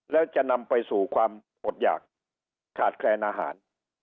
แล้วจะนำไปสู่ความอดหยากขาดแคลนอาหาร